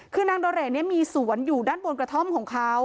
คือนางโดเร่มีสวนอยู่ด้านบนกระท่อมของเขา